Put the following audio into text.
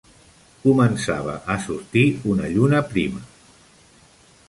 Començava a sortint una lluna prima.